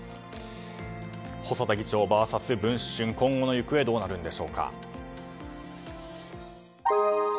細田議長ＶＳ「文春」今後の行方どうなるんでしょうか。